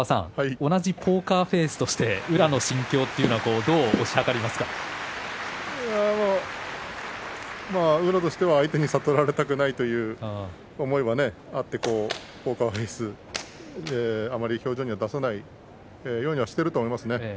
同じポーカーフェースとして宇良とすれば相手に悟られたくないという思いがあってポーカーフェースあまり表情に出さないようにはしていると思いますね。